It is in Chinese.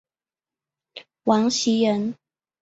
王袭人。